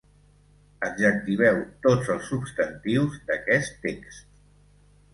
Adjectiveu tots els substantius d'aquest text.